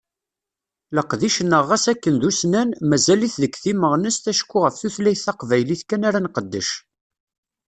Leqdic-nneɣ ɣas akken d ussnan, mazal-it deg timmeɣnest acku ɣef tutlayt taqbaylit kan ara nqeddec.